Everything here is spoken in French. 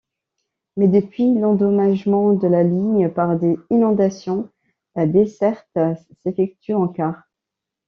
Mais depuis l'endommagement de la ligne par des inondations, la desserte s'effectue en car.